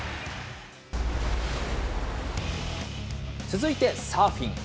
続いて、サーフィン。